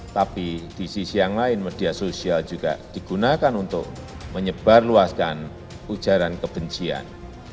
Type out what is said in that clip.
tapi di sisi yang lain media sosial juga digunakan untuk menyebarluaskan ujaran kebencian